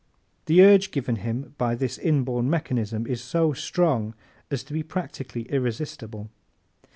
The urge given him by this inborn mechanism is so strong as to be practically irresistible.